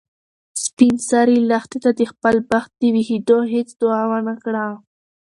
سپین سرې لښتې ته د خپل بخت د ویښېدو هیڅ دعا ونه کړه.